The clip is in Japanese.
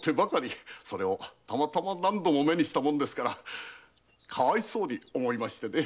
それをたまたま何度も目にしたのでかわいそうに思いましてね。